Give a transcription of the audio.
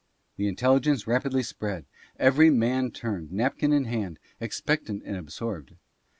" The intelligence rapidly spread ; every man turned, napkin in hand, expectant and absorbed.